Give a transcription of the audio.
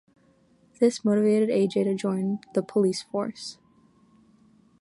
This motivated Ajay to join the police force.